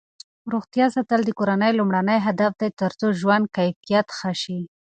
روغتیا ساتل د کورنۍ لومړنی هدف دی ترڅو ژوند کیفیت ښه شي.